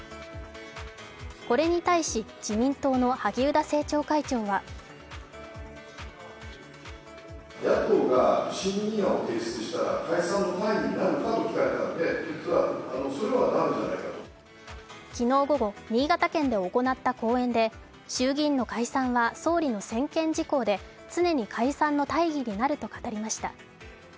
これに対し、自民党の萩生田政調会長は昨日午後、新潟県で行った講演で、衆議院の解散は総理の専権事項で常に解散の大義になると語りました。